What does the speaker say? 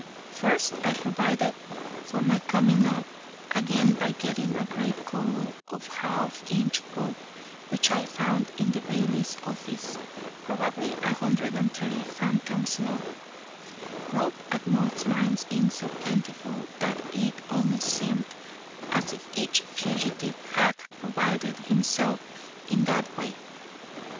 First I provided for my coming up again by getting a great coil of half inch rope, which I found in the bailiff's office, probably 130 fathoms long, rope at most mines being so plentiful, that it almost seemed as if each fugitive had provided himself in that way.